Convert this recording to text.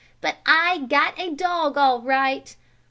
But I got a dog all right.